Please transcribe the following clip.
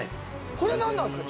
これ何なんですか。